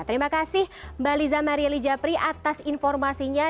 terima kasih mbak liza maria lijapri atas informasinya